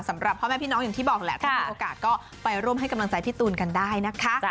สำหรับพ่อแม่พี่น้องอย่างที่บอกแหละถ้ามีโอกาสก็ไปร่วมให้กำลังใจพี่ตูนกันได้นะคะ